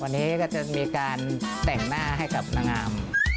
วันนี้ก็จะมีการแต่งหน้าให้กับนางงาม